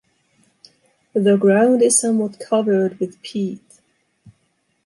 The ground is somewhat covered with peat.